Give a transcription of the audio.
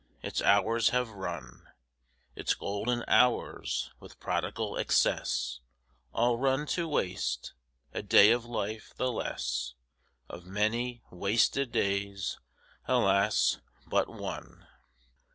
Its hours have run, Its golden hours, with prodigal excess, All run to waste. A day of life the less; Of many wasted days, alas, but one!